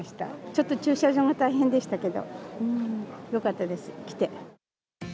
ちょっと駐車場が大変でしたけど、よかったです、来て。